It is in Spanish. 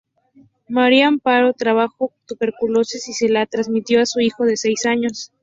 María Amparo contrajo tuberculosis y se la transmitió a su hijo de seis años.